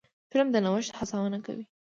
فلم د نوښت هڅونه کوي